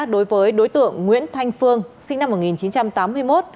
đối với đối tượng nguyễn thanh phương sinh năm một nghìn chín trăm tám mươi một